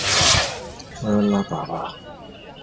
拿破仑一世在巴黎圣母院由教宗庇护七世加冕为皇帝。